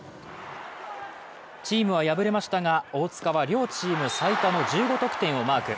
チームは敗れましたが大塚は両チーム最多の１５得点をマーク。